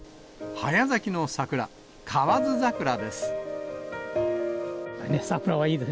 早咲きの桜、河津桜です。